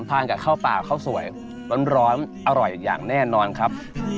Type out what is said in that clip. ทานกับข้าวเปล่าข้าวสวยร้อนอร่อยอย่างแน่นอนครับ